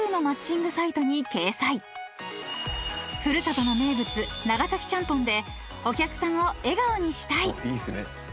［古里の名物長崎ちゃんぽんでお客さんを笑顔にしたい］